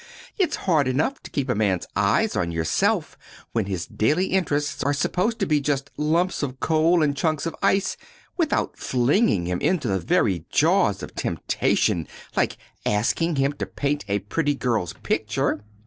It's hard enough to keep a man's eyes on yourself when his daily interests are supposed to be just lumps of coal and chunks of ice, without flinging him into the very jaws of temptation like asking him to paint a pretty girl's picture!"